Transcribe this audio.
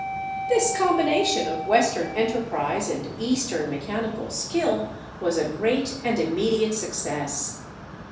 This combination of Western enterprise and Eastern mechanical skill was a great and immediate success.